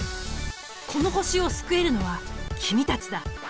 この星を救えるのは君たちだ。